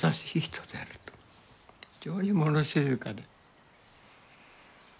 非常に物静かで。